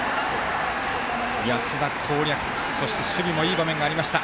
安田攻略守備もいい場面がありました。